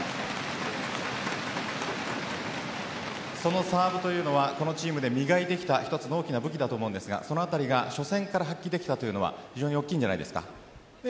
そのサーブというのはこのチームで磨いてきた一つの大きな武器だと思うんですがそのあたりが初戦から発揮できたというのは非常に大きいんじゃないですか？